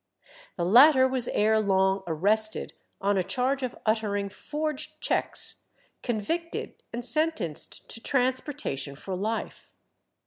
The latter was ere long arrested on a charge of uttering forged cheques, convicted, and sentenced to transportation for life.